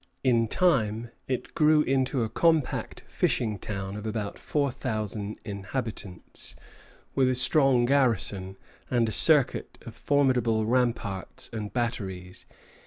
In time it grew into a compact fishing town of about four thousand inhabitants, with a strong garrison and a circuit of formidable ramparts and batteries.